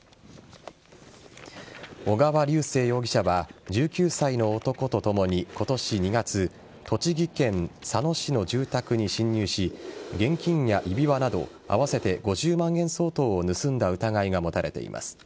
小川龍生容疑者は１９歳の男と共に今年２月栃木県佐野市の住宅に侵入し現金や指輪など合わせて５０万円相当を盗んだ疑いが持たれています。